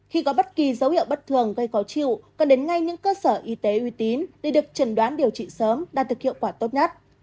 khi có bất kỳ dấu hiệu bất thường gây khó chịu cần đến ngay những cơ sở y tế uy tín để được trần đoán điều trị sớm đạt được hiệu quả tốt nhất